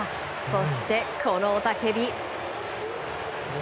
そして、この雄たけび。